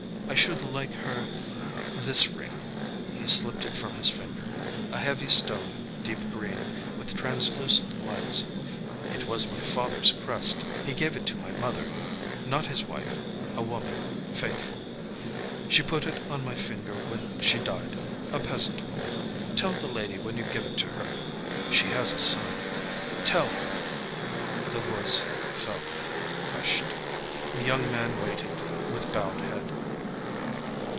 I should like her this ring " He slipped it from his finger a heavy stone, deep green, with translucent lights. "It was my father's crest. He gave it to my mother not his wife a woman faithful. She put it on my finger when she died a peasant woman. Tell the lady when you give it her ... she has a son.... Tell her...." The voice fell hushed. The young man waited, with bowed head.